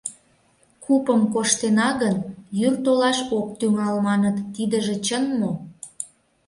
Купым коштена гын, йӱр толаш ок тӱҥал маныт, тидыже чын мо?